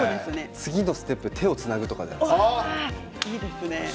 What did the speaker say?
次のステップは手をつなぐですよね。